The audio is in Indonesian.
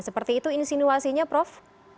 seperti itu insinuasinya prof